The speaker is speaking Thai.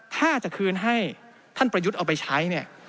ถ้าจะคืนให้ท่านประยุทธ์เอาไปใช้เนี่ย